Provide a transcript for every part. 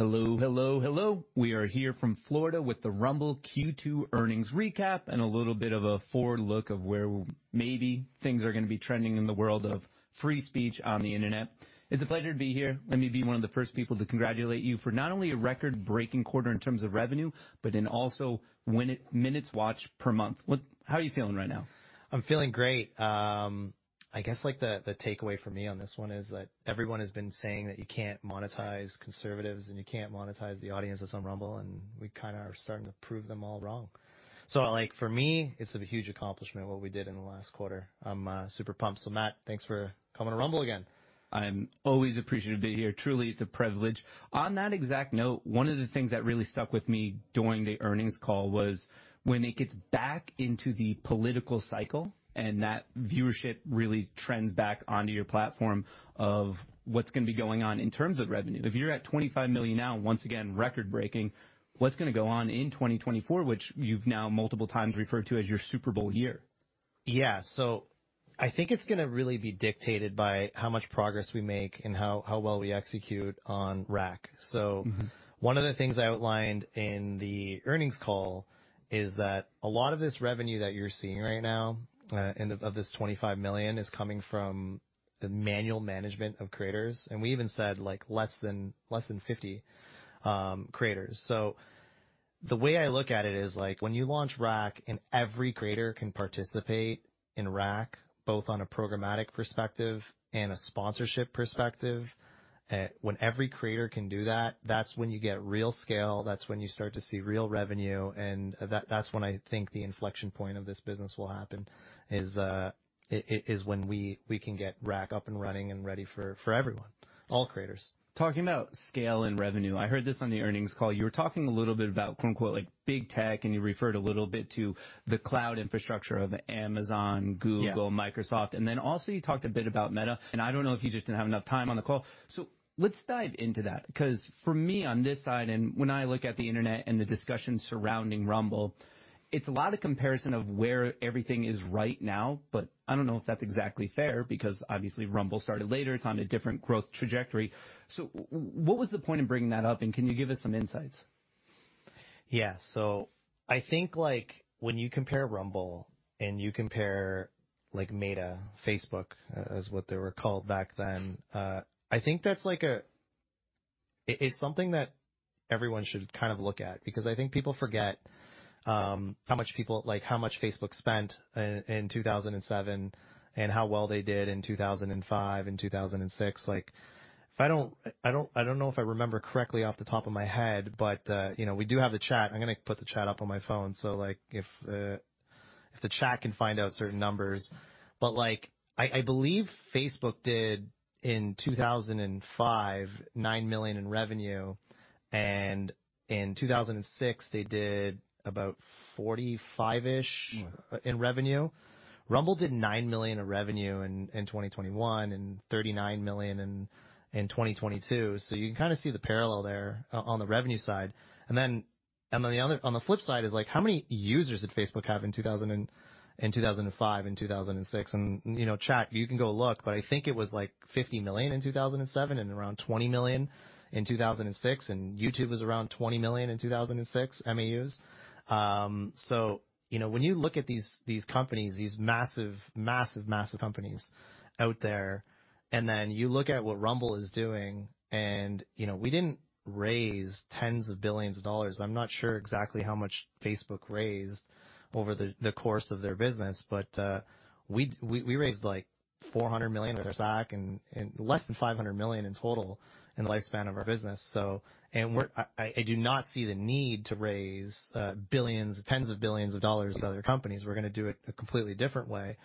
Hello, hello, hello. We are here from Florida with the Rumble Q2 earnings recap and a little bit of a forward look of where maybe things are gonna be trending in the world of free speech on the Internet. It's a pleasure to be here. Let me be one of the first people to congratulate you for not only a record-breaking quarter in terms of revenue, but in also minutes watched per month. How are you feeling right now? I'm feeling great. I guess, like, the, the takeaway for me on this one is that everyone has been saying that you can't monetize conservatives and you can't monetize the audience on some Rumble, and we kinda are starting to prove them all wrong. Like, for me, it's a huge accomplishment, what we did in the last quarter. I'm super pumped. Matt, thanks for coming to Rumble again. I'm always appreciative to be here. Truly, it's a privilege. On that exact note, one of the things that really stuck with me during the earnings call was when it gets back into the political cycle, and that viewership really trends back onto your platform of what's gonna be going on in terms of revenue. If you're at $25 million now, once again, record-breaking, what's gonna go on in 2024, which you've now multiple times referred to as your Super Bowl year? Yeah. I think it's gonna really be dictated by how much progress we make and how, how well we execute on RAC. Mm-hmm. One of the things I outlined in the earnings call is that a lot of this revenue that you're seeing right now, in the-- of this $25 million, is coming from the manual management of creators. We even said, like, less than, less than 50, creators. The way I look at it is, like, when you launch RAC and every creator can participate in RAC, both on a programmatic perspective and a sponsorship perspective, when every creator can do that, that's when you get real scale, that's when you start to see real revenue, and that, that's when I think the inflection point of this business will happen, is when we, we can get RAC up and running and ready for, for everyone, all creators. Talking about scale and revenue, I heard this on the earnings call. You were talking a little bit about quote, unquote, "Big Tech," and you referred a little bit to the cloud infrastructure of Amazon. Yeah. Google, Microsoft, also you talked a bit about Meta. I don't know if you just didn't have enough time on the call. Let's dive into that, 'cause for me on this side, when I look at the Internet and the discussion surrounding Rumble, it's a lot of comparison of where everything is right now, but I don't know if that's exactly fair, because obviously Rumble started later. It's on a different growth trajectory. What was the point in bringing that up, and can you give us some insights? Yeah. I think, like, when you compare Rumble and you compare, like, Meta, Facebook, as what they were called back then, I think that's like a... It, it's something that everyone should kind of look at, because I think people forget, how much people-- like, how much Facebook spent in, in 2007 and how well they did in 2005 and 2006. Like, if I don't-- I, I don't, I don't know if I remember correctly off the top of my head, but, you know, we do have the chat. I'm gonna put the chat up on my phone, so, like, if the chat can find out certain numbers. Like, I, I believe Facebook did, in 2005, $9 million in revenue, and in 2006, they did about $45-ish in revenue. Rumble did $9 million in revenue in 2021 and $39 million in 2022. You can kinda see the parallel there on the revenue side. Then, on the flip side is, like, how many users did Facebook have in 2005 and 2006? You know, chat, you can go look, but I think it was, like, 50 million in 2007 and around 20 million in 2006, and YouTube was around 20 million in 2006, MAUs. You know, when you look at these, these companies, these massive, massive, massive companies out there, and then you look at what Rumble is doing, and, you know, we didn't raise tens of billions of dollars. I'm not sure exactly how much Facebook raised over the course of their business, but we raised, like, $400 million in our SPAC and less than $500 million in total in the lifespan of our business, so. I, I do not see the need to raise billions, tens of billions of dollars to other companies. We're gonna do it a completely different way.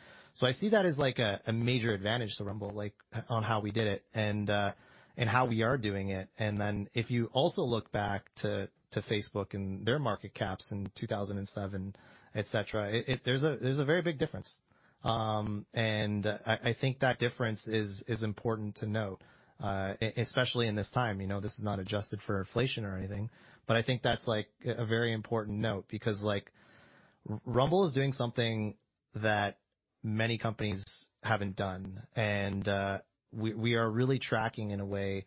I see that as, like, a major advantage to Rumble, like, on how we did it and how we are doing it. If you also look back to Facebook and their market caps in 2007, et cetera, there's a very big difference. I, I think that difference is important to note, especially in this time. You know, this is not adjusted for inflation or anything, but I think that's, like, a very important note because Rumble is doing something that many companies haven't done, and we are really tracking in a way.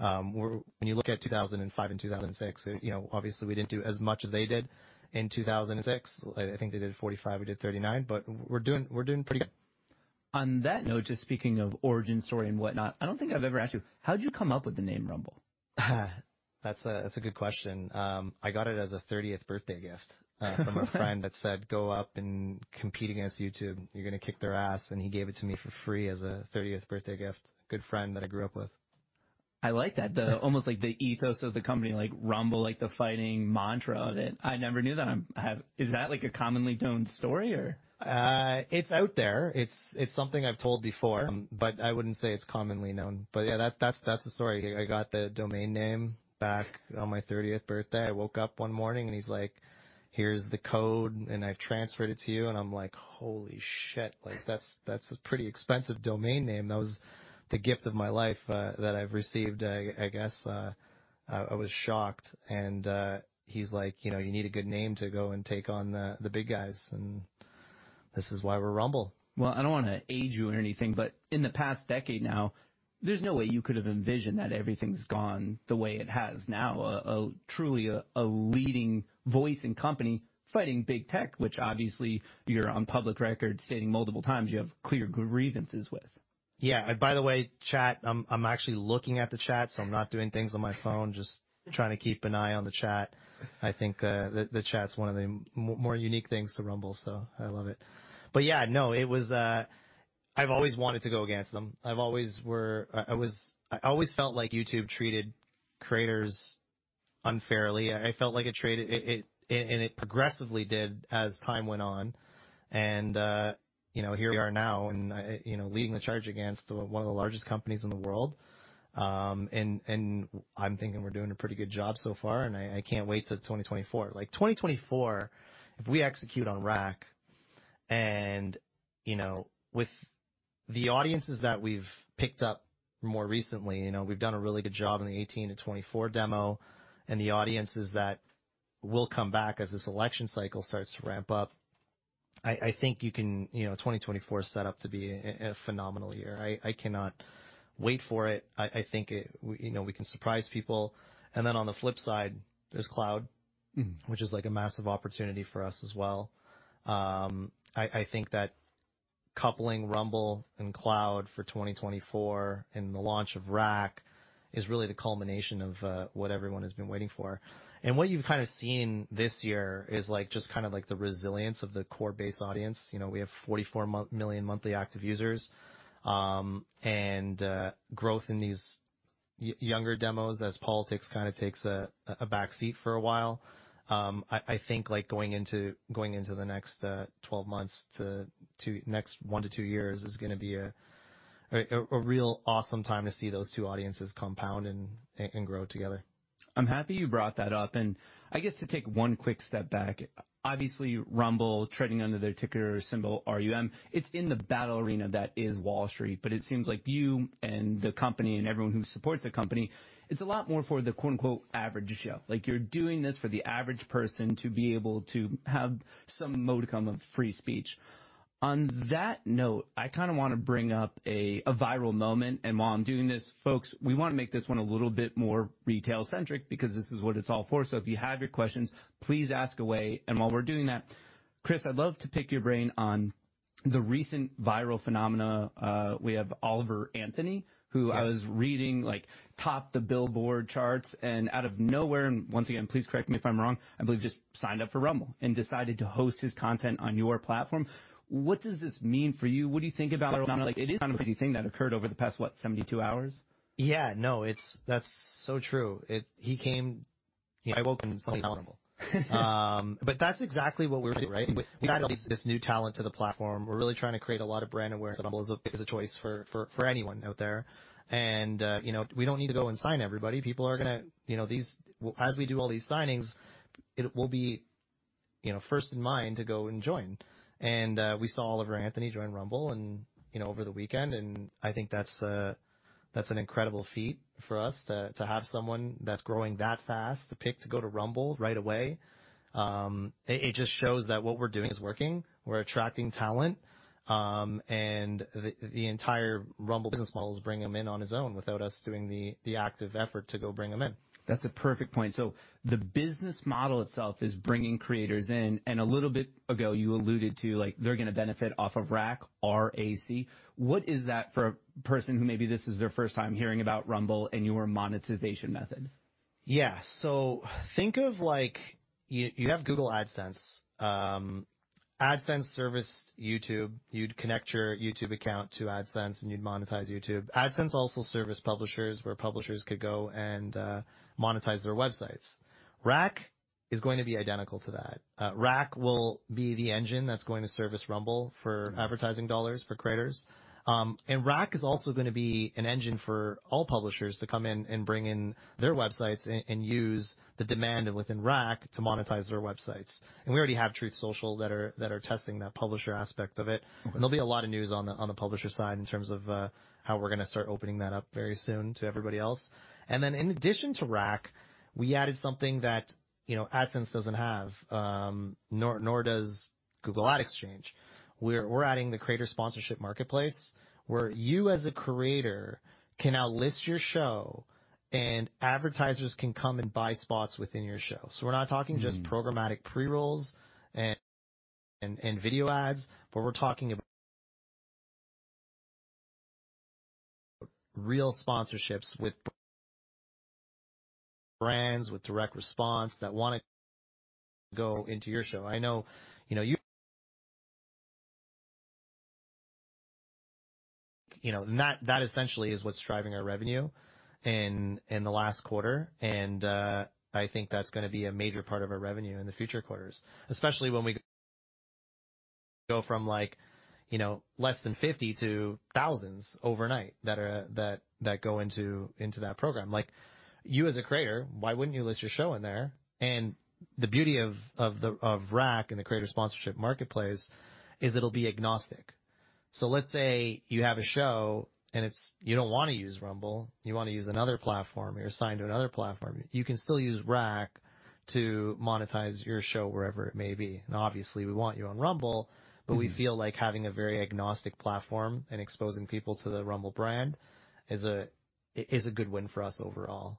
When you look at 2005 and 2006, you know, obviously we didn't do as much as they did in 2006. I think they did 45, we did 39, but we're doing, we're doing pretty good. On that note, just speaking of origin story and whatnot, I don't think I've ever asked you, how did you come up with the name Rumble? That's a, that's a good question. I got it as a 30th birthday gift from a friend that said, "Go up and compete against YouTube. You're gonna kick their ass." He gave it to me for free as a 30th birthday gift. Good friend that I grew up with. I like that, the... Almost like the ethos of the company, like Rumble, like the fighting mantra of it. I never knew that. Is that like a commonly told story or? It's out there. It's, it's something I've told before, but I wouldn't say it's commonly known. Yeah, that's, that's, that's the story. I got the domain name back on my 30th birthday. I woke up one morning, and he's like: "Here's the code, and I've transferred it to you." I'm like: "Holy shit! Like, that's, that's a pretty expensive domain name." That was the gift of my life that I've received. I, I guess, I, I was shocked, and he's like: "You know, you need a good name to go and take on the, the Big Tech," and this is why we're Rumble. Well, I don't wanna age you or anything, but in the past decade now, there's no way you could have envisioned that everything's gone the way it has now. A truly leading voice and company fighting Big Tech, which obviously you're on public record stating multiple times you have clear grievances with. Yeah. by the way, chat, I'm, I'm actually looking at the chat, so I'm not doing things on my phone, just trying to keep an eye on the chat. I think, the, the chat's one of the m-more unique things to Rumble, so I love it. yeah, no, it was... I've always wanted to go against them. I've always were-- I, I was-- I always felt like YouTube treated creators unfairly. I felt like it treated it, it... it progressively did as time went on. you know, here we are now and, I, you know, leading the charge against one of the largest companies in the world. and I'm thinking we're doing a pretty good job so far, and I, I can't wait till 2024. Like, 2024, if we execute on RAC, you know, with the audiences that we've picked up more recently, you know, we've done a really good job in the 18-24 demo and the audiences that will come back as this election cycle starts to ramp up. I, I think you can, you know, 2024 is set up to be a, a phenomenal year. I, I cannot wait for it. I, I think it, we, you know, we can surprise people. Then on the flip side, there's cloud, which is like a massive opportunity for us as well. I, I think that coupling Rumble and Cloud for 2024 and the launch of RAC is really the culmination of what everyone has been waiting for. What you've kind of seen this year is, like, just kind of like the resilience of the core base audience. You know, we have 44 million monthly active users, and growth in these younger demos as politics kind of takes a backseat for a while. I, I think, like, going into, going into the next 12 months to next 1-2 years is gonna be a real awesome time to see those two audiences compound and grow together. I'm happy you brought that up. I guess to take one quick step back. Obviously, Rumble, trading under their ticker symbol, RUM, it's in the battle arena that is Wall Street. It seems like you and the company and everyone who supports the company, it's a lot more for the quote, unquote, "average Joe." Like, you're doing this for the average person to be able to have some modicum of free speech. On that note, I kinda wanna bring up a viral moment. While I'm doing this, folks, we wanna make this one a little bit more retail-centric because this is what it's all for. If you have your questions, please ask away. While we're doing that, Chris, I'd love to pick your brain on the recent viral phenomena. We have Oliver Anthony. Yes. Who I was reading, like, topped the Billboard charts and out of nowhere, and once again, please correct me if I'm wrong, I believe, just signed up for Rumble and decided to host his content on your platform. What does this mean for you? What do you think about it? It is a crazy thing that occurred over the past, what? 72 hours. Yeah. No, it's that's so true. It He came, I woke him somewhere on Rumble. That's exactly what we're doing, right? We added this new talent to the platform. We're really trying to create a lot of brand awareness, Rumble is a choice for, for, for anyone out there. You know, we don't need to go and sign everybody. People are gonna, you know, these As we do all these signings, it will be, you know, first in mind to go and join. We saw Oliver Anthony join Rumble, you know, over the weekend, I think that's that's an incredible feat for us to, to have someone that's growing that fast to pick, to go to Rumble right away. It, it just shows that what we're doing is working. We're attracting talent, and the, the entire Rumble business model is bringing him in on his own without us doing the, the active effort to go bring him in. That's a perfect point. The business model itself is bringing creators in. A little bit ago, you alluded to, like, they're gonna benefit off of RAC, R-A-C. What is that for a person who maybe this is their first time hearing about Rumble and your monetization method? Yeah. Think of, like, you, you have Google AdSense. AdSense serviced YouTube. You'd connect your YouTube account to AdSense, you'd monetize YouTube. AdSense also serviced publishers, where publishers could go and monetize their websites. RAC is going to be identical to that. RAC will be the engine that's going to service Rumble for advertising dollars for creators. RAC is also gonna be an engine for all publishers to come in and bring in their websites and use the demand within RAC to monetize their websites. We already have Truth Social that are, that are testing that publisher aspect of it. Mm-hmm. There'll be a lot of news on the, on the publisher side in terms of how we're gonna start opening that up very soon to everybody else. Then, in addition to RAC, we added something that, you know, AdSense doesn't have, nor Google Ad Exchange. We're adding the Creator Sponsorship Marketplace, where you, as a creator, can now list your show and advertisers can come and buy spots within your show. We're not talking. Mm-hmm. programmatic pre-rolls and video ads, but we're talking about real sponsorships with brands, with direct response, that wanna go into your show. I know, you know, You know, that, that essentially is what's driving our revenue in, in the last quarter. I think that's gonna be a major part of our revenue in the future quarters, especially when we go from, like, you know, less than 50 to thousands overnight that go into that program. Like, you as a creator, why wouldn't you list your show in there? The beauty of RAC and the Creator Sponsorship Marketplace is it'll be agnostic. Let's say you have a show, and it's... You don't wanna use Rumble, you wanna use another platform, you're assigned to another platform. You can still use RAC to monetize your show wherever it may be. Obviously, we want you on Rumble. Mm-hmm. We feel like having a very agnostic platform and exposing people to the Rumble brand is a, is a good win for us overall.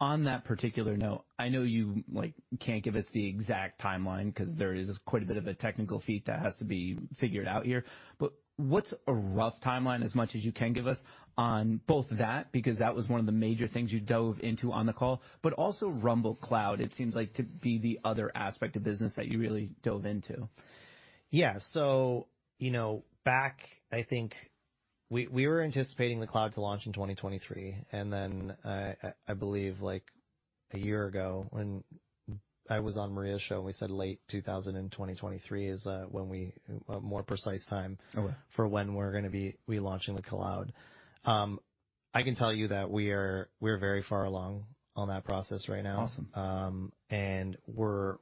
On that particular note, I know you, like, can't give us the exact timeline 'cause there is quite a bit of a technical feat that has to be figured out here. What's a rough timeline, as much as you can give us on both that, because that was one of the major things you dove into on the call, but also Rumble Cloud, it seems like to be the other aspect of business that you really dove into? Yeah, you know, back, I think we, we were anticipating the cloud to launch in 2023, and then, I, I, I believe, like, a year ago when I was on Maria's show, and we said late 2023 is, when we. A more precise time for when we're gonna be relaunching the cloud. I can tell you that we are, we're very far along on that process right now. Awesome. We're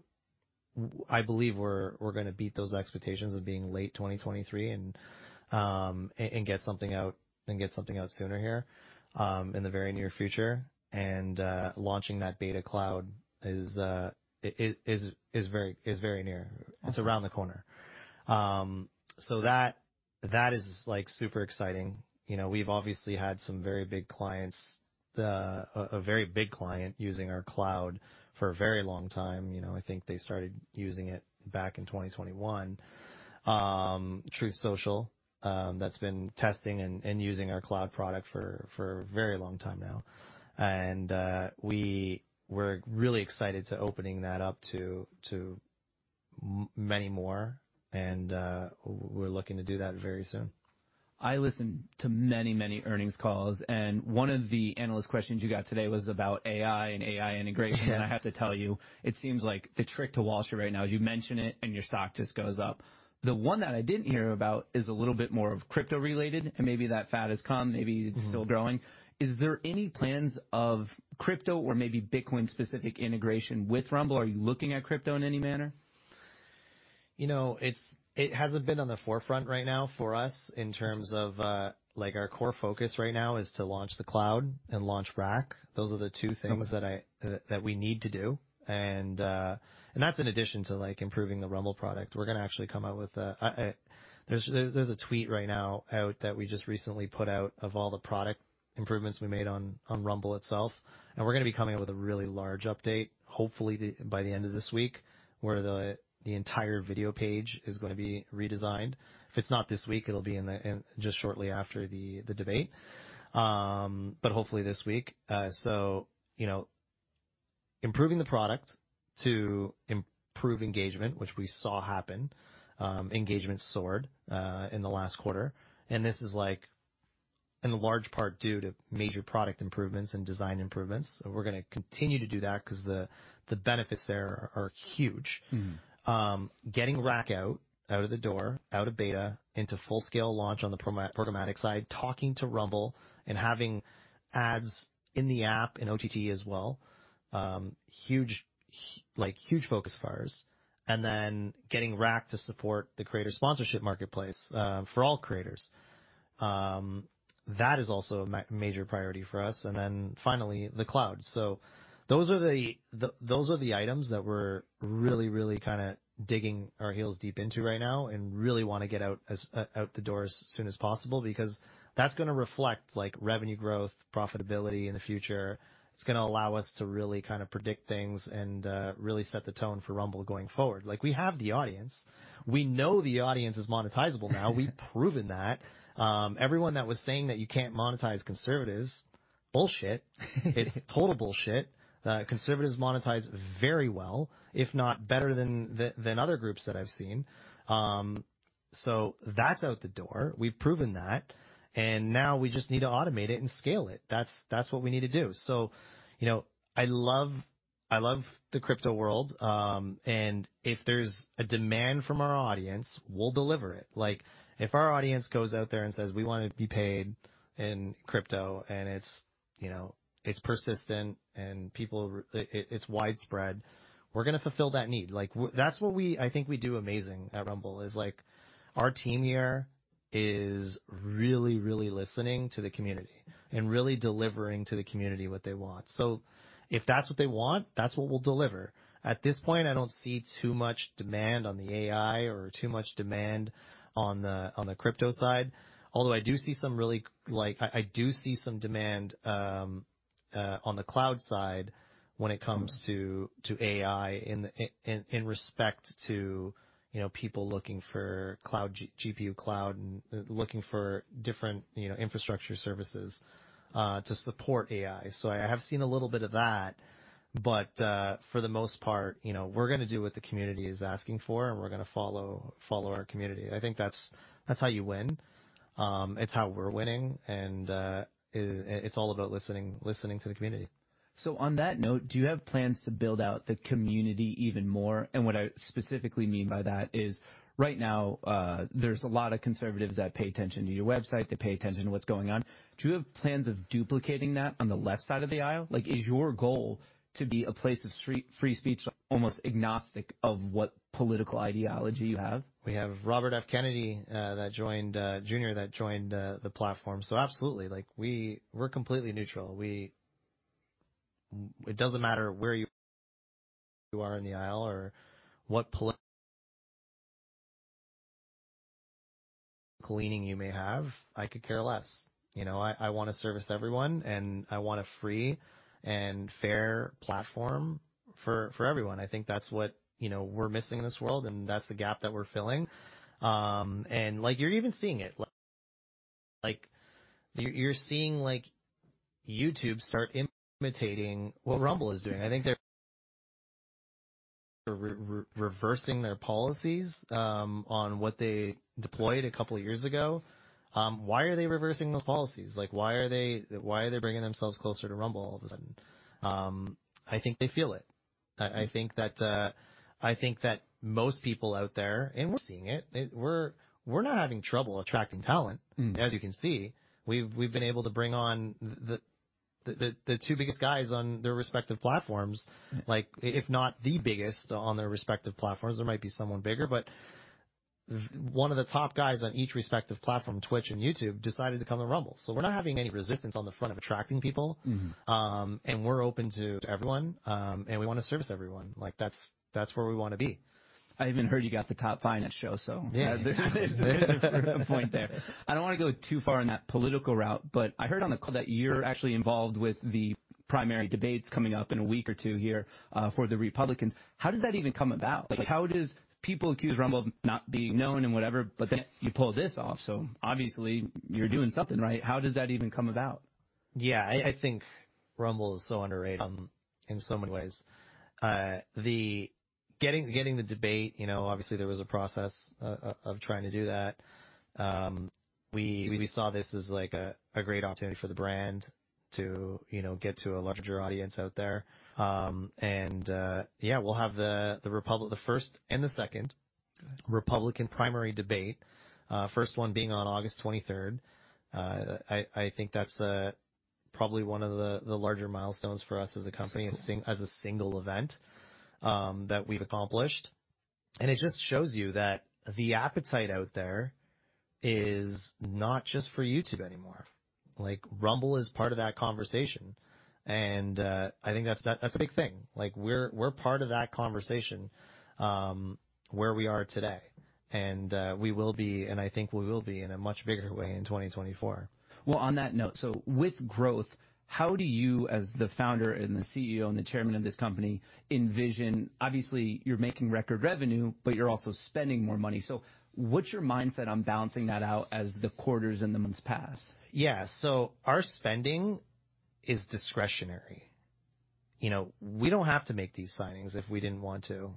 I believe we're, we're gonna beat those expectations of being late 2023 and get something out, and get something out sooner here in the very near future. Launching that beta cloud is, it, is, is very, is very near. Awesome. It's around the corner. That, that is, like, super exciting. You know, we've obviously had some very big clients, a, a very big client using our cloud for a very long time. You know, I think they started using it back in 2021. Truth Social, that's been testing and, and using our cloud product for, for a very long time now. We we're really excited to opening that up to, to m- many more, we're looking to do that very soon. I listen to many, many earnings calls, and one of the analyst questions you got today was about AI and AI integration. Yeah. I have to tell you, it seems like the trick to Wall Street right now is you mention it, and your stock just goes up. The one that I didn't hear about is a little bit more of crypto-related, and maybe that fad has come. Mm-hmm it's still growing. Is there any plans of crypto or maybe Bitcoin-specific integration with Rumble? Are you looking at crypto in any manner? You know, it hasn't been on the forefront right now for us in terms of, like, our core focus right now is to launch the Rumble Cloud and launch RAC. Those are the two things. Okay... that I, that, that we need to do. That's in addition to, like, improving the Rumble product. We're gonna actually come out with a, a... There's, there's a tweet right now out that we just recently put out of all the product improvements we made on, on Rumble itself, and we're gonna be coming out with a really large update, hopefully, the, by the end of this week, where the, the entire video page is gonna be redesigned. If it's not this week, it'll be in the, in-- just shortly after the, the debate, but hopefully this week. You know, improving the product to improve engagement, which we saw happen. Engagement soared in the last quarter, and this is, like, in large part due to major product improvements and design improvements. We're gonna continue to do that 'cause the, the benefits there are huge. Mm-hmm. Getting RAC out, out of the door, out of beta, into full-scale launch on the programmatic side, talking to Rumble and having ads in the app and OTT as well. Huge, like, huge focus for us, then getting RAC to support the Creator Sponsorship Marketplace for all creators. That is also a major priority for us. Then finally, the cloud. Those are the... Those are the items that we're really, really kinda digging our heels deep into right now and really wanna get out as out the door as soon as possible, because that's gonna reflect, like, revenue growth, profitability in the future. It's gonna allow us to really kind of predict things and really set the tone for Rumble going forward. Like, we have the audience. We know the audience is monetizable now. We've proven that. Everyone that was saying that you can't monetize conservatives, bullshit. It's total bullshit. Conservatives monetize very well, if not better than other groups that I've seen. That's out the door. We've proven that, and now we just need to automate it and scale it. That's, that's what we need to do. You know, I love, I love the crypto world, and if there's a demand from our audience, we'll deliver it. Like, if our audience goes out there and says: We wanna be paid in crypto, and it's, you know, it's persistent and people, it's widespread, we're gonna fulfill that need. Like, that's what we, I think we do amazing at Rumble, is, like, our team here is really, really listening to the community and really delivering to the community what they want. If that's what they want, that's what we'll deliver. At this point, I don't see too much demand on the AI or too much demand on the crypto side. I do see some really like, I, I do see some demand on the cloud side when it comes to, to AI in respect to, you know, people looking for cloud GPU cloud and looking for different, you know, infrastructure services to support AI. I have seen a little bit of that, but for the most part, you know, we're gonna do what the community is asking for, and we're gonna follow, follow our community. I think that's, that's how you win. It's how we're winning, and it's all about listening, listening to the community. On that note, do you have plans to build out the community even more? What I specifically mean by that is, right now, there's a lot of conservatives that pay attention to your website, they pay attention to what's going on. Do you have plans of duplicating that on the left side of the aisle? Like, is your goal to be a place of free speech, almost agnostic of what political ideology you have? We have Robert F. Kennedy, Jr., that joined the platform, so absolutely. Like, we're completely neutral. It doesn't matter where you are in the aisle or what political leaning you may have, I could care less. You know, I wanna service everyone, and I want a free and fair platform for everyone. I think that's what, you know, we're missing in this world, and that's the gap that we're filling. Like, you're even seeing it. Like, you're seeing, like, YouTube start imitating what Rumble is doing. I think they're reversing their policies on what they deployed a couple of years ago. Why are they reversing those policies? Like, why are they bringing themselves closer to Rumble all of a sudden? I think they feel it. I think that most people out there. We're seeing it. We're not having trouble attracting talent. Mm-hmm. As you can see, we've been able to bring on the two biggest guys on their respective platforms, like, if not the biggest on their respective platforms, there might be someone bigger. One of the top guys on each respective platform, Twitch and YouTube, decided to come to Rumble. We're not having any resistance on the front of attracting people. Mm-hmm. We're open to everyone, and we wanna service everyone. Like, that's, that's where we wanna be. I even heard you got the top finance show, so- Yeah. point there. I don't want to go too far in that political route, but I heard on the call that you're actually involved with the primary debates coming up in a week or two here, for the Republicans. How does that even come about? Like, how does... People accuse Rumble of not being known and whatever, but then you pull this off, so obviously, you're doing something right. How does that even come about? Yeah, I, I think Rumble is so underrated, in so many ways. The getting, getting the debate, you know, obviously, there was a process of trying to do that. We, we saw this as like a, a great opportunity for the brand to, you know, get to a larger audience out there. Yeah, we'll have the, the Republic, the first and the second. Good Republican primary debate, first one being on August 23rd. I, I think that's probably one of the, the larger milestones for us as a company, as sing-- as a single event, that we've accomplished. It just shows you that the appetite out there is not just for YouTube anymore. Like, Rumble is part of that conversation, and, I think that's, that's a big thing. Like, we're, we're part of that conversation, where we are today, and, we will be, and I think we will be in a much bigger way in 2024. Well, on that note, so with growth, how do you, as the founder and the CEO and the Chairman of this company, envision? Obviously, you're making record revenue, but you're also spending more money. What's your mindset on balancing that out as the quarters and the months pass? Yeah. Our spending is discretionary. You know, we don't have to make these signings if we didn't want to.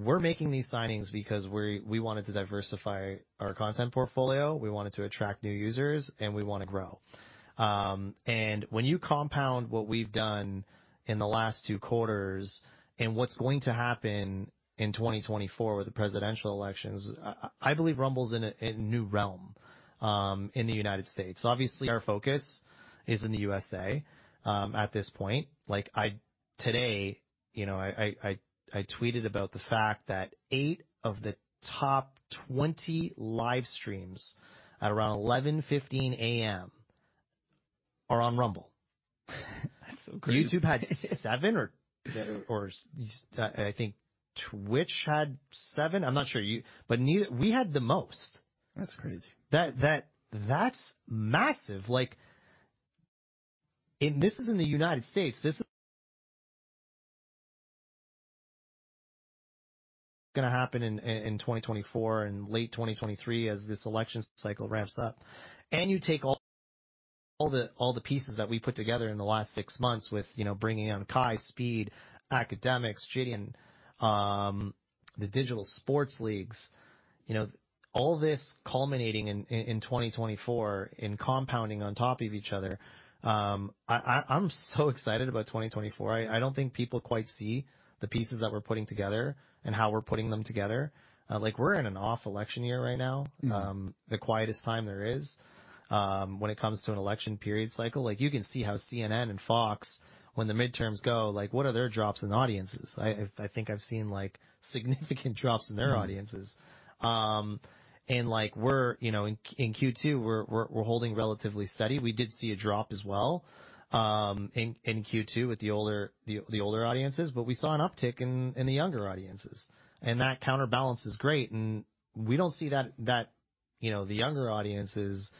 We're making these signings because we wanted to diversify our content portfolio, we wanted to attract new users, and we want to grow. When you compound what we've done in the last two quarters and what's going to happen in 2024 with the presidential elections, I, I believe Rumble's in a, in a new realm in the United States. Obviously, our focus is in the U.S.A. at this point. Like, Today, you know, I, I, I, I tweeted about the fact that eight of the top 20 live streams at around 11:15 A.M. are on Rumble. That's so crazy. YouTube had 7 I think Twitch had 7? I'm not sure. Neither We had the most. That's crazy. That's massive! Like, this is in the United States. This is gonna happen in 2024 and late 2023 as this election cycle ramps up. You take all the pieces that we put together in the last six months with, you know, bringing on Kai, Speed, Akademiks, JiDion, the digital sports leagues, you know, all this culminating in 2024, and compounding on top of each other. I'm so excited about 2024. I don't think people quite see the pieces that we're putting together and how we're putting them together. Like, we're in an off-election year right now. Mm. the quietest time there is. When it comes to an election period cycle, like, you can see how CNN and Fox, when the midterms go, like, what are their drops in audiences? I, I, I think I've seen, like, significant drops in their audiences. And like we're, you know, in, in Q2, we're, we're, we're holding relatively steady. We did see a drop as well, in, in Q2 with the older, the, the older audiences, but we saw an uptick in, in the younger audiences, and that counterbalance is great, and we don't see that, that, you know, the younger audiences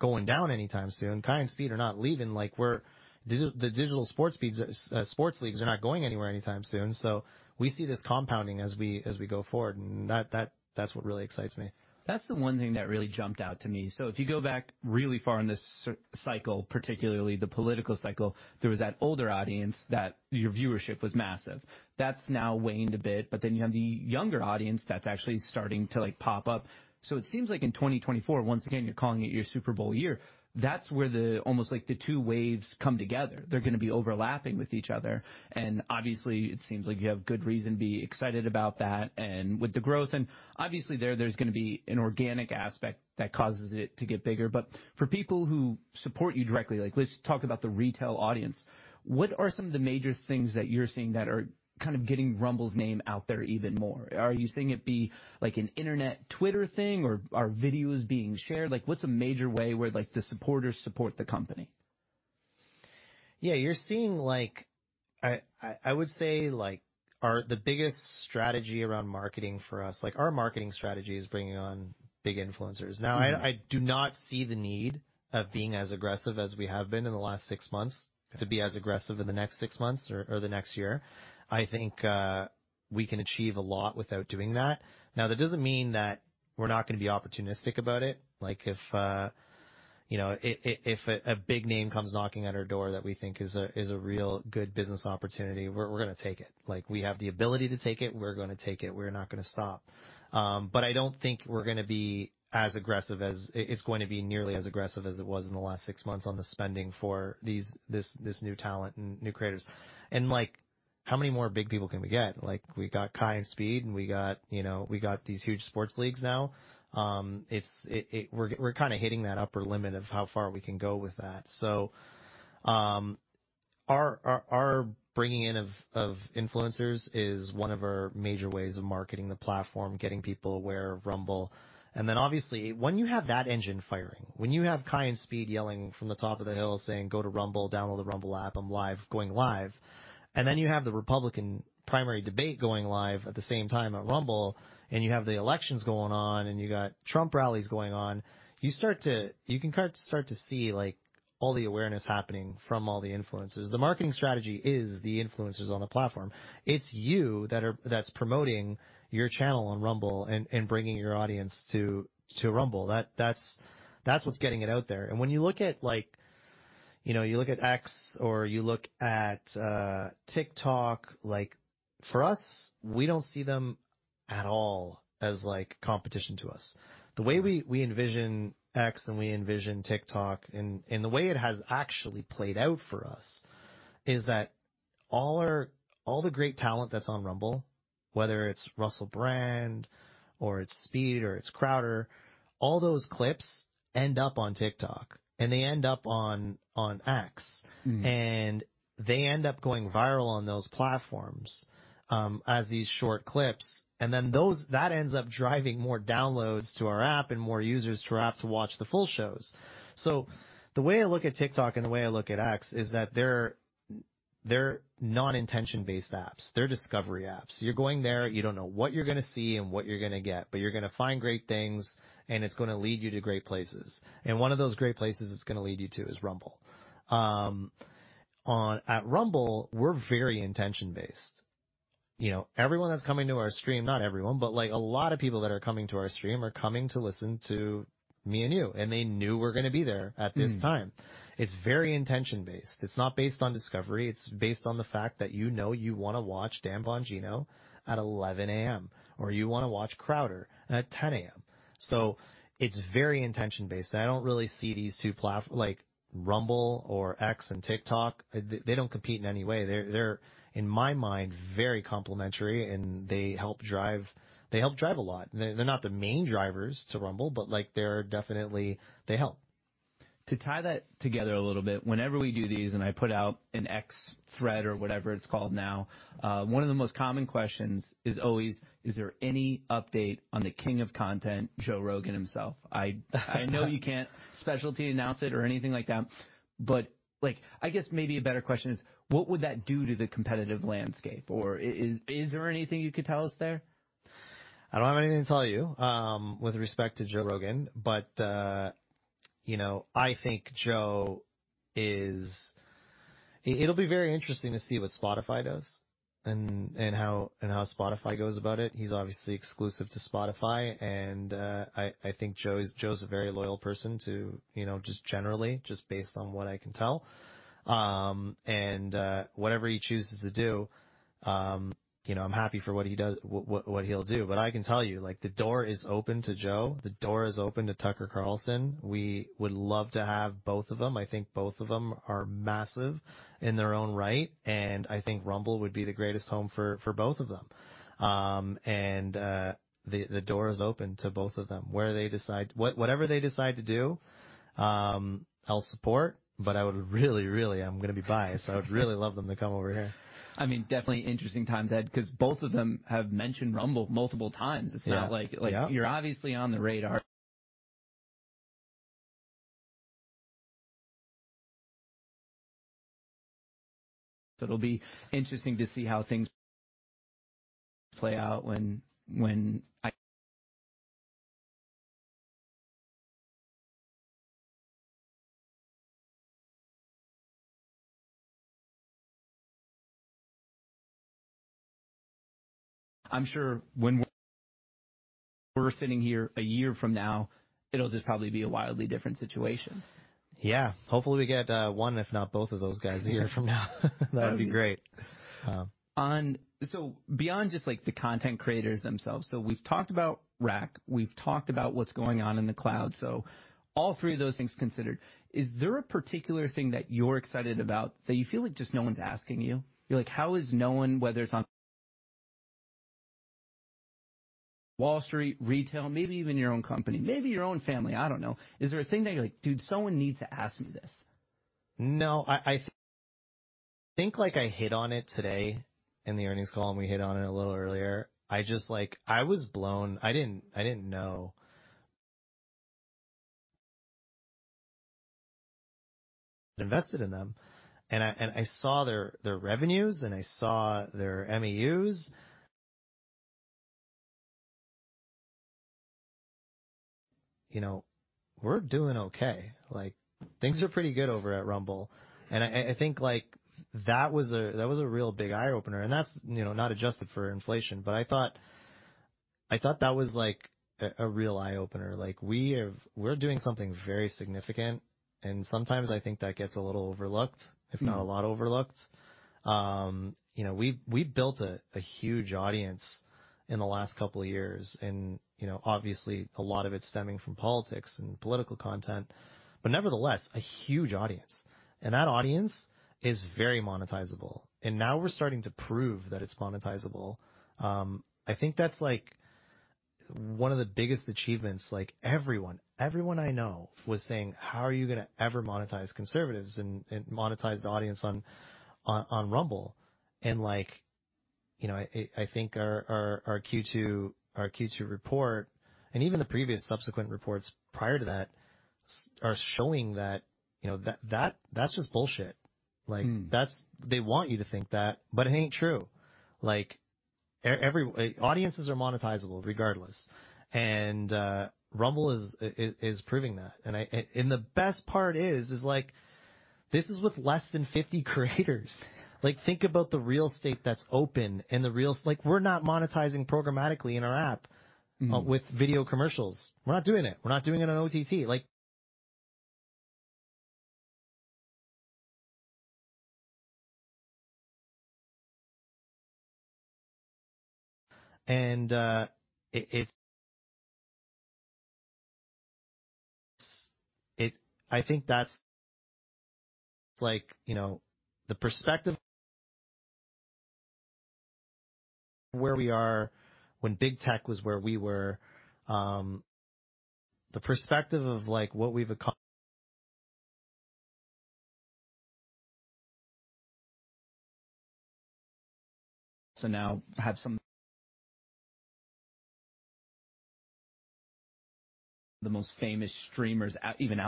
going down anytime soon. Kai and Speed are not leaving, like we're, digi- the digital sports speeds, sports leagues are not going anywhere anytime soon. We see this compounding as we, as we go forward, and that, that, that's what really excites me. That's the one thing that really jumped out to me. If you go back really far in this cycle, particularly the political cycle, there was that older audience that your viewership was massive. That's now waned a bit, then you have the younger audience that's actually starting to, like, pop up. It seems like in 2024, once again, you're calling it your Super Bowl year, that's where the almost like the 2 waves come together. They're gonna be overlapping with each other. Obviously, it seems like you have good reason to be excited about that and with the growth, and obviously there, there's gonna be an organic aspect that causes it to get bigger. For people who support you directly, like, let's talk about the retail audience. What are some of the major things that you're seeing that are kind of getting Rumble's name out there even more? Are you seeing it be like an internet Twitter thing, or are videos being shared? Like, what's a major way where, like, the supporters support the company? Yeah, you're seeing like... I, I, I would say, like, our the biggest strategy around marketing for us, like, our marketing strategy is bringing on big influencers. Now, I, I do not see the need of being as aggressive as we have been in the last 6 months, to be as aggressive in the next 6 months or, or the next year. I think we can achieve a lot without doing that. Now, that doesn't mean that we're not gonna be opportunistic about it. Like, if, you know, if a big name comes knocking at our door that we think is a, is a real good business opportunity, we're, we're gonna take it. Like, we have the ability to take it, we're gonna take it, we're not gonna stop. But I don't think we're gonna be as aggressive as it's going to be nearly as aggressive as it was in the last six months on the spending for these, this new talent and new creators. Like, how many more big people can we get? Like, we got Kai and Speed, and we got, you know, we got these huge sports leagues now. It's, we're kinda hitting that upper limit of how far we can go with that. Our bringing in of influencers is one of our major ways of marketing the platform, getting people aware of Rumble. Obviously, when you have that engine firing, when you have Kai and Speed yelling from the top of the hill, saying, "Go to Rumble, download the Rumble app, I'm live, going live," then you have the Republican primary debate going live at the same time at Rumble, and you have the elections going on, and you got Trump rallies going on, you can start to see, like, all the awareness happening from all the influencers. The marketing strategy is the influencers on the platform. It's you that's promoting your channel on Rumble and bringing your audience to Rumble. That, that's, that's what's getting it out there. When you look at like, you know, you look at X, or you look at TikTok, like, for us, we don't see them at all as, like, competition to us. The way we envision X and we envision TikTok and the way it has actually played out for us is that all the great talent that's on Rumble, whether it's Russell Brand or it's Speed or it's Crowder, all those clips end up on TikTok, and they end up on, on X. Mm. They end up going viral on those platforms, as these short clips, that ends up driving more downloads to our app and more users to our app to watch the full shows. The way I look at TikTok and the way I look at X is that they're, they're non-intention based apps. They're discovery apps. You're going there, you don't know what you're gonna see and what you're gonna get, but you're gonna find great things, and it's gonna lead you to great places. One of those great places it's gonna lead you to is Rumble. At Rumble, we're very intention-based. You know, everyone that's coming to our stream, not everyone, but like a lot of people that are coming to our stream are coming to listen to me and you, and they knew we're gonna be there at this time. Mm. It's very intention-based. It's not based on discovery, it's based on the fact that you know you wanna watch Dan Bongino at 11:00 A.M., or you wanna watch Crowder at 10:00 A.M. It's very intention-based. I don't really see these two like, Rumble or X and TikTok, they don't compete in any way. They're, they're, in my mind, very complementary, and they help drive, they help drive a lot. They're, they're not the main drivers to Rumble, but, like, they're definitely they help. To tie that together a little bit, whenever we do these, and I put out an X thread or whatever it's called now, one of the most common questions is always: Is there any update on the king of content, Joe Rogan himself? I know you can't specialty announce it or anything like that, but, like, I guess maybe a better question is, what would that do to the competitive landscape, or is, is there anything you could tell us there? I don't have anything to tell you, with respect to Joe Rogan, but, you know, I think Joe is... It'll be very interesting to see what Spotify does and, and how, and how Spotify goes about it. He's obviously exclusive to Spotify, and, I, I think Joe's a very loyal person to, you know, just generally, just based on what I can tell. Whatever he chooses to do. You know, I'm happy for what he does, what, what, what he'll do. I can tell you, like, the door is open to Joe, the door is open to Tucker Carlson. We would love to have both of them. I think both of them are massive in their own right, and I think Rumble would be the greatest home for, for both of them. The, the door is open to both of them. Where they decide whatever they decide to do, I'll support, but I would really, really. I'm going to be biased. I would really love them to come over here. I mean, definitely interesting times, Ed, 'cause both of them have mentioned Rumble multiple times. Yeah. It's not like. Yeah. You're obviously on the radar. It'll be interesting to see how things play out when, when I'm sure when we're sitting here a year from now, it'll just probably be a wildly different situation. Yeah. Hopefully, we get, 1, if not both of those guys, a year from now. That would be great. Beyond just like the content creators themselves, we've talked about RAC, we've talked about what's going on in the cloud. All three of those things considered, is there a particular thing that you're excited about that you feel like just no one's asking you? You're like: How is no one, whether it's Wall Street, retail, maybe even your own company, maybe your own family, I don't know. Is there a thing that you're like, "Dude, someone needs to ask me this? No, I, I think, like I hit on it today in the earnings call, and we hit on it a little earlier. I just like, I was blown. I didn't, I didn't know. Invested in them, and I, and I saw their, their revenues, and I saw their MAUs. You know, we're doing okay. Like, things are pretty good over at Rumble, and I, I, I think, like, that was a, that was a real big eye-opener, and that's, you know, not adjusted for inflation, but I thought, I thought that was, like, a, a real eye-opener. Like, we have. We're doing something very significant, and sometimes I think that gets a little overlooked. Mm. if not a lot overlooked. You know, we've, we've built a, a huge audience in the last couple of years, and, you know, obviously a lot of it stemming from politics and political content, but nevertheless, a huge audience. And that audience is very monetizable. And now we're starting to prove that it's monetizable. I think that's, like, one of the biggest achievements. Like, everyone, everyone I know was saying: How are you gonna ever monetize conservatives and, and monetize the audience on, on, on Rumble? And like, you know, I, I think our, our, our Q2, our Q2 report, and even the previous subsequent reports prior to that, are showing that, you know, that, that, that's just bullshit. Mm. Like, that's. They want you to think that, but it ain't true. Like, audiences are monetizable regardless. Rumble is proving that. I, and the best part is like, this is with less than 50 creators. Like, think about the real estate that's open. Like, we're not monetizing programmatically in our app. Mm-hmm. With video commercials. We're not doing it. We're not doing it on OTT, like. It's, I think that's like, you know, the perspective where we are when Big Tech was where we were. The perspective of, like, what we've accomplished. now have the most famous streamers out, even.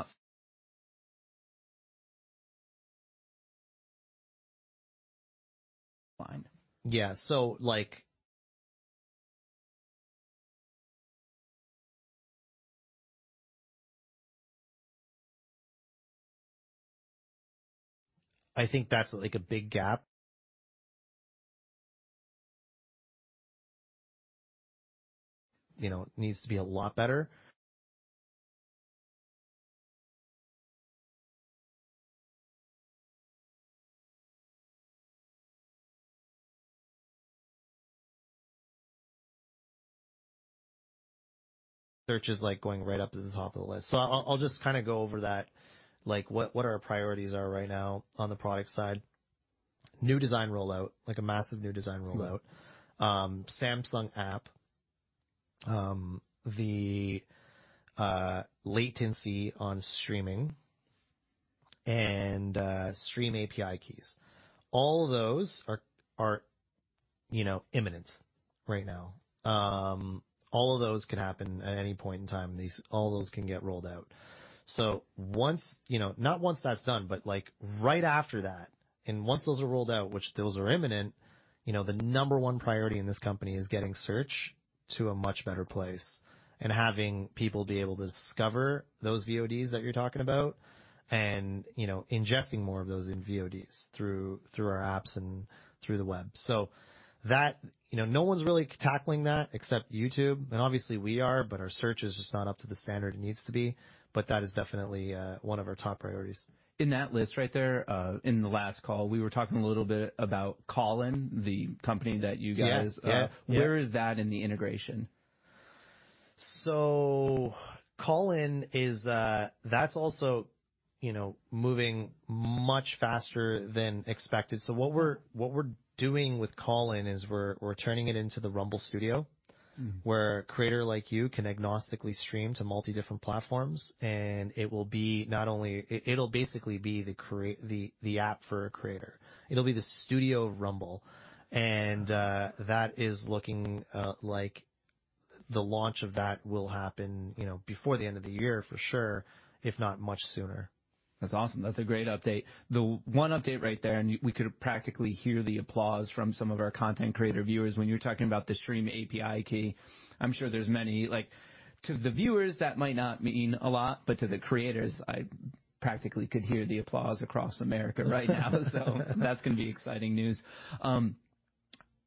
Fine. Yeah, so, like... I think that's, like, a big gap. You know, it needs to be a lot better. Search is like going right up to the top of the list. I'll, I'll just kind of go over that, like, what, what our priorities are right now on the product side. New design rollout, like a massive new design rollout. Mm. Samsung app, the latency on streaming and stream API keys. All those are, are, you know, imminent right now. All of those can happen at any point in time, all those can get rolled out. Once... You know, not once that's done, but, like, right after that, and once those are rolled out, which those are imminent, you know, the number one priority in this company is getting search to a much better place and having people be able to discover those VODs that you're talking about, and, you know, ingesting more of those in VODs through, through our apps and through the web. You know, no one's really tackling that except YouTube, and obviously we are, but our search is just not up to the standard it needs to be. That is definitely one of our top priorities. In that list right there, in the last call, we were talking a little bit about Callin, the company that you guys. Yeah, yeah. Where is that in the integration? Callin is, that's also, you know, moving much faster than expected. What we're, what we're doing with Callin is we're, we're turning it into the Rumble Studio, where a creator like you can agnostically stream to multi different platforms, and it will be not only, it, it'll basically be the create, the, the app for a creator. It'll be the studio Rumble. That is looking like the launch of that will happen, you know, before the end of the year, for sure, if not much sooner. That's awesome. That's a great update. The one update right there, we could practically hear the applause from some of our content creator viewers when you were talking about the stream API key. I'm sure there's many... To the viewers, that might not mean a lot, but to the creators, I practically could hear the applause across America right now. That's gonna be exciting news.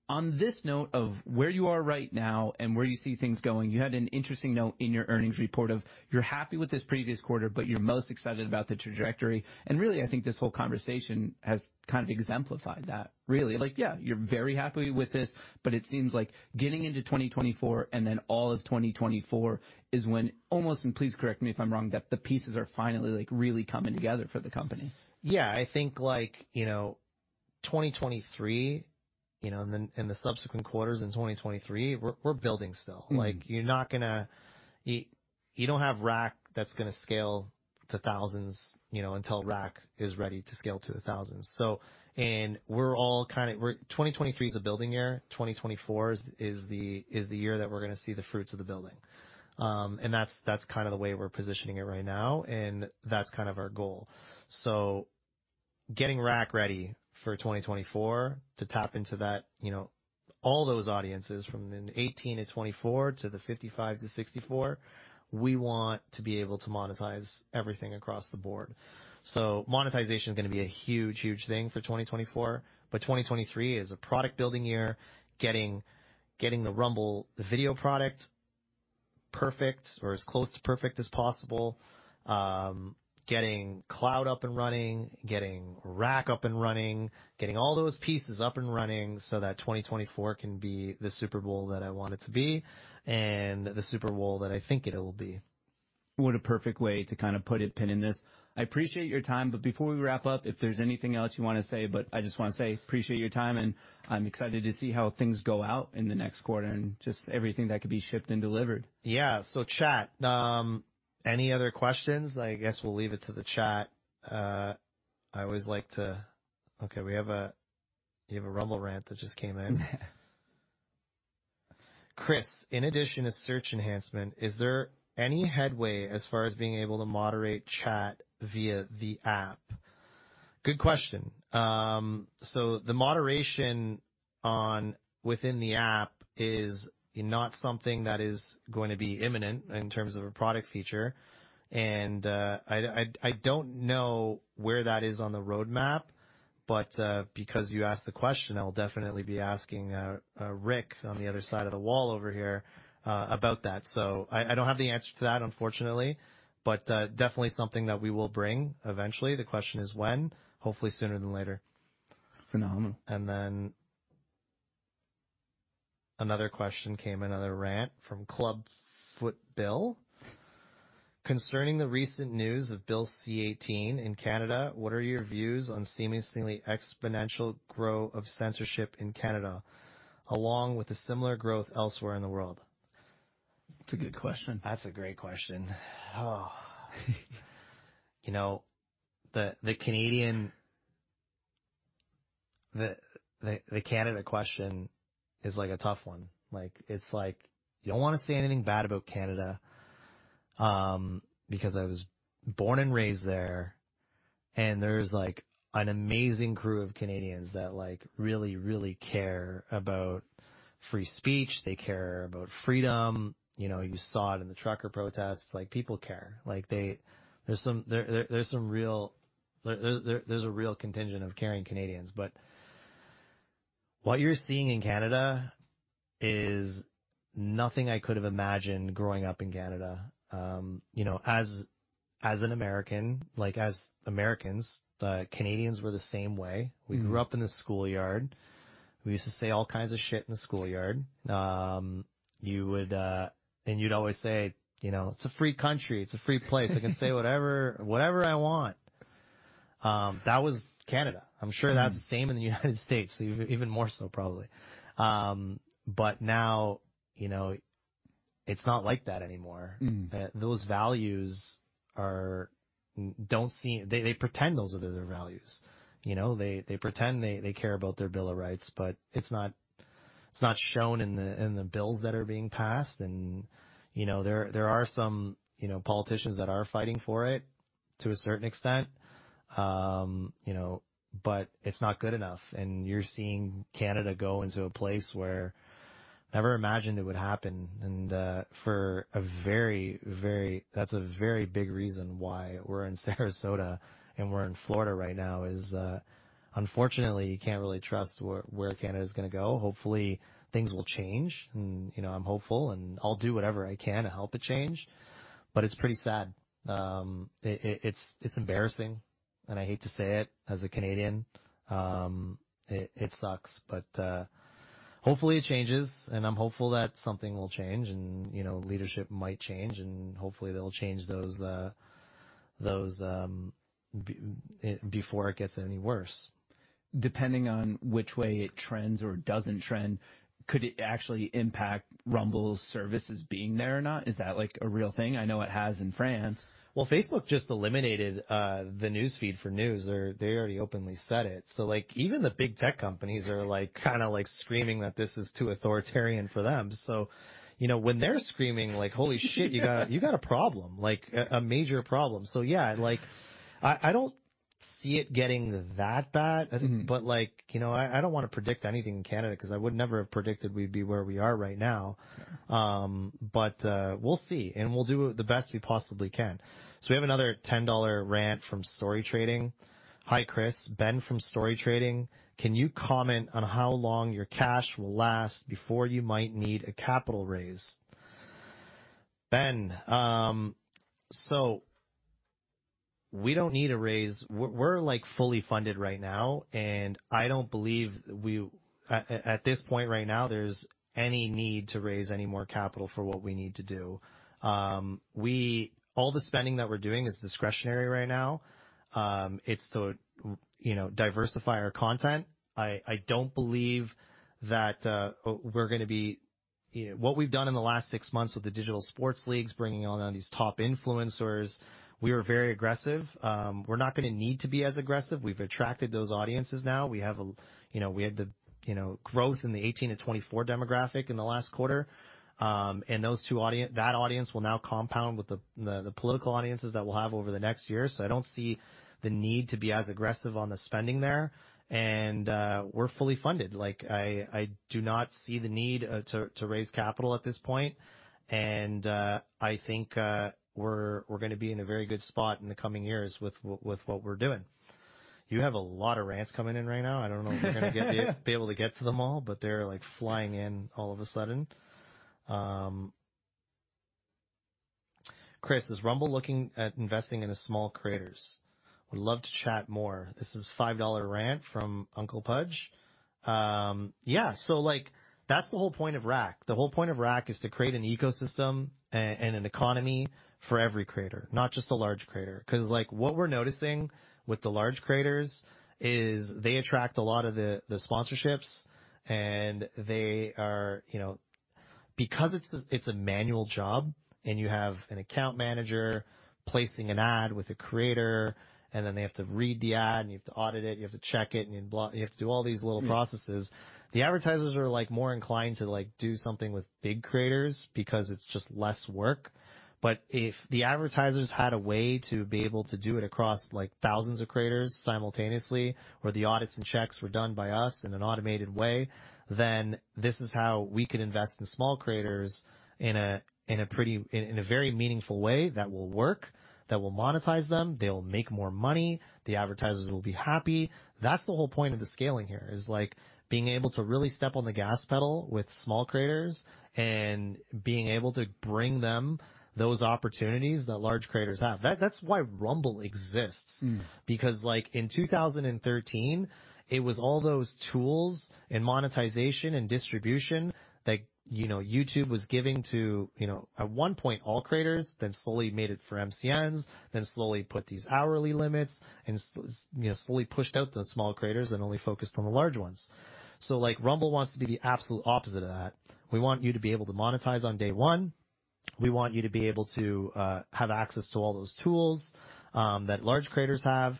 On this note of where you are right now and where you see things going, you had an interesting note in your earnings report of you're happy with this previous quarter, but you're most excited about the trajectory. Really, I think this whole conversation has kind of exemplified that, really. Like, yeah, you're very happy with this, but it seems like getting into 2024 and then all of 2024 is when, almost, and please correct me if I'm wrong, that the pieces are finally, like, really coming together for the company. Yeah, I think, like, you know, 2023, you know, and then, and the subsequent quarters in 2023, we're, we're building still. Mm-hmm. Like, you're not. You, you don't have RAC that's gonna scale to thousands, you know, until RAC is ready to scale to the thousands. We're all kinda. We're. 2023 is a building year. 2024 is, is the, is the year that we're gonna see the fruits of the building. That's, that's kind of the way we're positioning it right now, and that's kind of our goal. Getting RAC ready for 2024 to tap into that, you know, all those audiences from the 18-24 to the 55-64, we want to be able to monetize everything across the board. Monetization is gonna be a huge, huge thing for 2024, but 2023 is a product building year, getting, getting the Rumble video product perfect or as close to perfect as possible. Getting cloud up and running, getting RAC up and running, getting all those pieces up and running so that 2024 can be the Super Bowl that I want it to be, and the Super Bowl that I think it will be. What a perfect way to kind of put a pin in this. I appreciate your time, but before we wrap up, if there's anything else you wanna say, but I just wanna say appreciate your time, and I'm excited to see how things go out in the next quarter and just everything that could be shipped and delivered. Yeah. Chat, any other questions? I guess we'll leave it to the chat. I always like to... Okay, we have a, you have a Rumble rant that just came in. Chris, in addition to search enhancement, is there any headway as far as being able to moderate chat via the app? Good question. The moderation within the app is not something that is going to be imminent in terms of a product feature. I, I, I don't know where that is on the roadmap, but because you asked the question, I'll definitely be asking Rick on the other side of the wall over here, about that. I, I don't have the answer to that, unfortunately, but definitely something that we will bring eventually. The question is when? Hopefully sooner than later. Phenomenal. Then another question came, another rant from Clubfoot Bill: Concerning the recent news of Bill C-18 in Canada, what are your views on seemingly exponential growth of censorship in Canada, along with the similar growth elsewhere in the world? That's a good question. That's a great question. You know, the Canadian, the Canada question is, like, a tough one. Like, it's like you don't want to say anything bad about Canada because I was born and raised there, and there's, like, an amazing crew of Canadians that, like, really, really care about free speech. They care about freedom. You know, you saw it in the trucker protests. Like, people care, like they. There's some real, there's a real contingent of caring Canadians. What you're seeing in Canada is nothing I could have imagined growing up in Canada. You know, as, as an American, like, as Americans, the Canadians were the same way. Mm. We grew up in the schoolyard. We used to say all kinds of shit in the schoolyard. You would... You'd always say, "You know, it's a free country. It's a free place. I can say whatever, whatever I want." That was Canada. Mm. I'm sure that's the same in the United States, even more so, probably. Now, you know, it's not like that anymore. Mm. Those values are... Don't seem-- They, they pretend those are their values. You know, they, they pretend they, they care about their Bill of Rights, but it's not, it's not shown in the, in the bills that are being passed. You know, there, there are some, you know, politicians that are fighting for it to a certain extent, you know, but it's not good enough. You're seeing Canada go into a place where I never imagined it would happen, and for a very, very-- That's a very big reason why we're in Sarasota and we're in Florida right now is, unfortunately, you can't really trust where, where Canada is gonna go. Hopefully, things will change, and, you know, I'm hopeful and I'll do whatever I can to help it change. It's pretty sad. It, it, it's, it's embarrassing, and I hate to say it as a Canadian, it, it sucks. Hopefully, it changes, and I'm hopeful that something will change and, you know, leadership might change, and hopefully they'll change those, those, before it gets any worse. Depending on which way it trends or doesn't trend, could it actually impact Rumble's services being there or not? Is that, like, a real thing? I know it has in France. Well, Facebook just eliminated the news feed for news, or they already openly said it. Like, even the Big Tech companies are, like, kinda like screaming that this is too authoritarian for them. You know, when they're screaming, like, "Holy shit!" You got, you got a problem, like, a, a major problem. Yeah, like, I, I don't see it getting that bad. Mm. I think, but like, you know, I, I don't wanna predict anything in Canada, 'cause I would never have predicted we'd be where we are right now. We'll see, and we'll do the best we possibly can. We have another $10 rant from StoryTrading. "Hi, Chris. Ben from StoryTrading. Can you comment on how long your cash will last before you might need a capital raise?" Ben, we don't need a raise. We're, we're, like, fully funded right now, and I don't believe we at this point right now, there's any need to raise any more capital for what we need to do. All the spending that we're doing is discretionary right now. It's to, you know, diversify our content. I, I don't believe that, we're gonna be. You know, what we've done in the last 6 months with the digital sports leagues, bringing on, on these top influencers, we were very aggressive. We're not gonna need to be as aggressive. We've attracted those audiences now. We have, you know, we had the, you know, growth in the 18-24 demographic in the last quarter. That audience will now compound with the, the, the political audiences that we'll have over the next year. I don't see the need to be as aggressive on the spending there, and we're fully funded. Like, I, I do not see the need to, to raise capital at this point. I think we're, we're gonna be in a very good spot in the coming years with what, with what we're doing. You have a lot of rants coming in right now. I don't know if we're gonna be able to get to them all, but they're, like, flying in all of a sudden. "Chris, is Rumble looking at investing in the small creators? Would love to chat more." This is a $5 rant from Uncle Pudge. Yeah, so like, that's the whole point of RAC. The whole point of RAC is to create an ecosystem and an economy for every creator, not just the large creator. 'Cause like, what we're noticing with the large creators is they attract a lot of the, the sponsorships, and they are, you know, Because it's a, it's a manual job, and you have an account manager placing an ad with a creator, and then they have to read the ad, and you have to audit it, you have to check it, and you have to do all these little processes. Mm. The advertisers are, like, more inclined to, like, do something with big creators because it's just less work. If the advertisers had a way to be able to do it across, like, thousands of creators simultaneously, where the audits and checks were done by us in an automated way, this is how we could invest in small creators in a pretty, in a very meaningful way that will work, that will monetize them, they'll make more money, the advertisers will be happy. That's the whole point of the scaling here, is like, being able to really step on the gas pedal with small creators and being able to bring them those opportunities that large creators have. That's why Rumble exists. Mm. Like, in 2013, it was all those tools and monetization and distribution that, you know, YouTube was giving to, you know, at one point, all creators, then slowly made it for MCNs, then slowly put these hourly limits, and you know, slowly pushed out the small creators and only focused on the large ones. Like, Rumble wants to be the absolute opposite of that. We want you to be able to monetize on day one. We want you to be able to have access to all those tools that large creators have,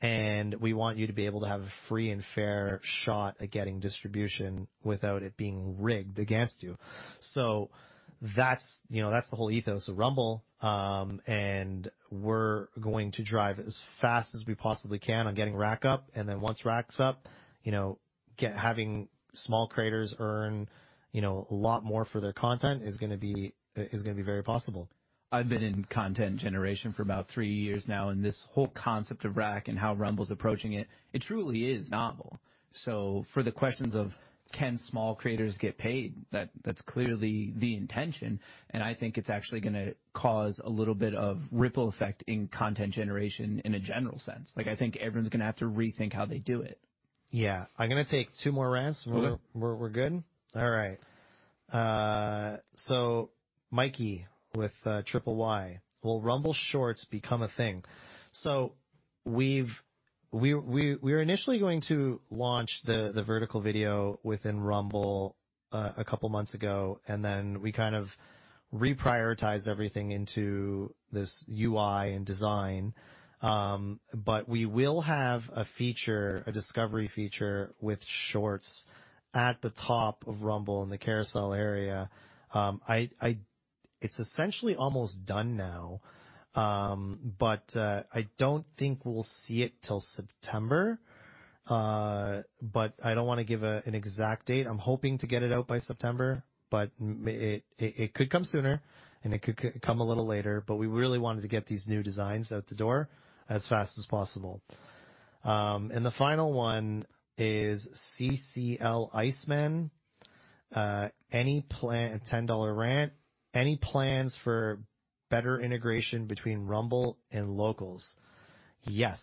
and we want you to be able to have a free and fair shot at getting distribution without it being rigged against you. That's, you know, that's the whole ethos of Rumble. We're going to drive as fast as we possibly can on getting RAC up, and then once RAC's up, you know, having small creators earn, you know, a lot more for their content is gonna be, is gonna be very possible. I've been in content generation for about three years now, and this whole concept of RAC and how Rumble's approaching it, it truly is novel. For the questions of: Can small creators get paid? That's clearly the intention, and I think it's actually gonna cause a little bit of ripple effect in content generation in a general sense. Mm. Like, I think everyone's gonna have to rethink how they do it. Yeah. I'm gonna take two more rants. Okay. We're, we're good? All right. Mikey with triple Y: "Will Rumble Shorts become a thing?" We were initially going to launch the vertical video within Rumble a couple of months ago, and then we kind of reprioritized everything into this UI and design. We will have a feature, a discovery feature with Shorts at the top of Rumble in the carousel area. It's essentially almost done now, but I don't think we'll see it till September. I don't wanna give an exact date. I'm hoping to get it out by September, but it could come sooner, and it could come a little later, but we really wanted to get these new designs out the door as fast as possible. The final one is CCL Iceman. A $10 rant: "Any plans for better integration between Rumble and Locals?" Yes,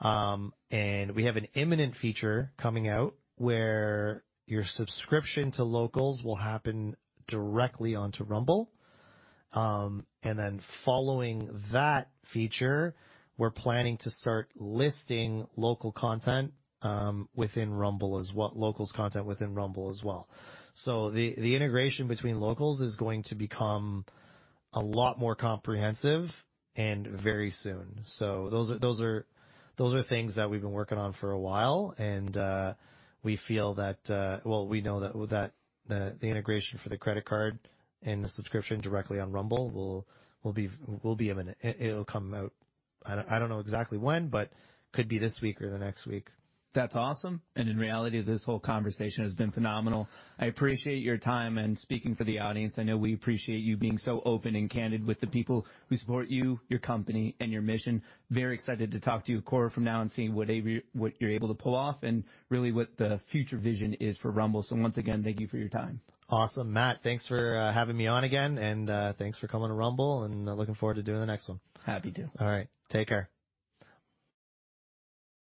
we have an imminent feature coming out where your subscription to Locals will happen directly onto Rumble. Following that feature, we're planning to start listing Locals content within Rumble as Locals content within Rumble as well. The integration between Locals is going to become a lot more comprehensive and very soon. Those are, those are, those are things that we've been working on for a while, and we feel that... Well, we know that, with that, the, the integration for the credit card and the subscription directly on Rumble will, will be, will be. It'll come out, I don't know exactly when, but could be this week or the next week. That's awesome. In reality, this whole conversation has been phenomenal. I appreciate your time, and speaking for the audience, I know we appreciate you being so open and candid with the people who support you, your company, and your mission. Very excited to talk to you quarter from now and seeing what you're able to pull off and really what the future vision is for Rumble. Once again, thank you for your time. Awesome. Matt, thanks for having me on again, and thanks for coming to Rumble and looking forward to doing the next one. Happy to. All right. Take care.